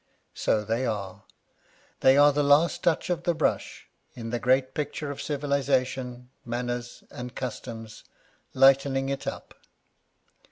So they are ! They are the last touch of the brush in the great picture of civilisation, manners, and customs, lightening it up.